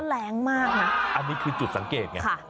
แรงมากนะอันนี้คือจุดสังเกตไง